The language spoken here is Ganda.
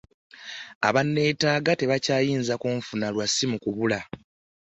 Abanneetaaga tebakyayinza kunfuna lwa ssimu kubula.